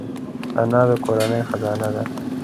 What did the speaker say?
انا د کورنۍ خزانه ده